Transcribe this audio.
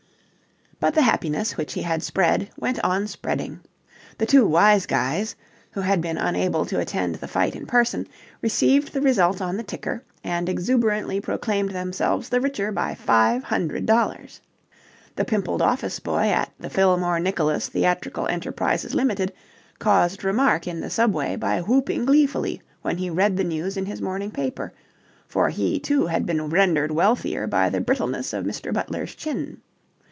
But the happiness which he had spread went on spreading. The two Wise Guys, who had been unable to attend the fight in person, received the result on the ticker and exuberantly proclaimed themselves the richer by five hundred dollars. The pimpled office boy at the Fillmore Nicholas Theatrical Enterprises Ltd. caused remark in the Subway by whooping gleefully when he read the news in his morning paper, for he, too, had been rendered wealthier by the brittleness of Mr. Butler's chin.